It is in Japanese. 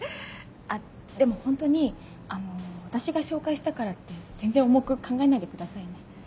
あっでもホントにあの私が紹介したからって全然重く考えないでくださいね。